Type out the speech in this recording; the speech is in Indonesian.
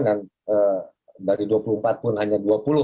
dari dua puluh empat pun hanya dua puluh